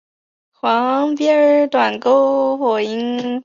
黄边短沟红萤为红萤科短沟红萤属下的一个种。